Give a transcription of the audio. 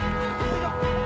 よいしょ。